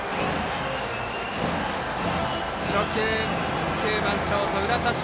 初球、９番ショートの浦田翔